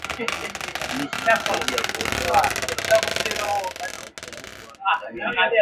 viazi lishe husaidia kuondoa utapiamlo na upungufu wa vitamini A